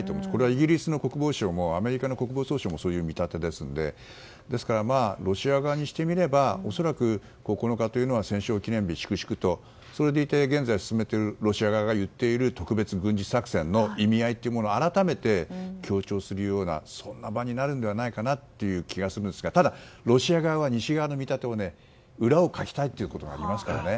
イギリスの国防省もアメリカの国防総省もそういう見立てですのでロシア軍にしてみれば恐らく９日というのは戦勝記念日を粛々とそれでいて、現在進めているロシア側が言っている特別軍事作戦の意味合いを改めて強調するような場になるのではないかという気がするんですがただロシア軍は西側の見立ての裏をかきたいということがありますからね。